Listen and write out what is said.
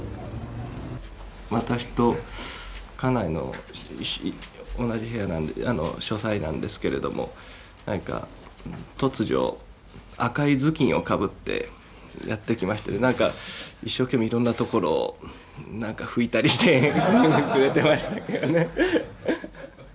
私と家内の同じ部屋、書斎なんですけれども、なんか突如、赤いずきんをかぶってやって来まして、なんか一生懸命、いろんな所をなんか拭いたりしてくれてましたけどね。